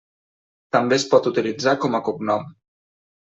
També es pot utilitzar com a cognom.